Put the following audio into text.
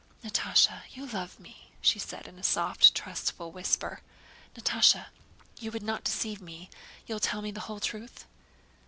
"Natásha, you love me?" she said in a soft trustful whisper. "Natásha, you would not deceive me? You'll tell me the whole truth?"